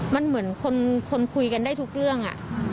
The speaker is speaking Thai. มันเหมือนคนคุยกันได้ทุกเรื่อง